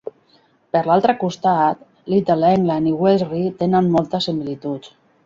Per l'altre costat, Little England i Welshry tenen moltes similituds.